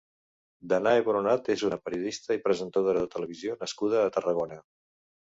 Danae Boronat és una periodista i presentadora de televisió nascuda a Tarragona.